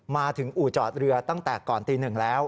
มาถึงอุจอบเรือตั้งแต่ก่อนตี๑แล้ว